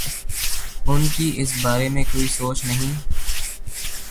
ان کی اس بارے میں کوئی سوچ نہیں؟